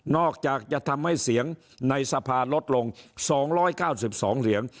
อกจากจะทำให้เสียงในสภาลดลง๒๙๒เสียง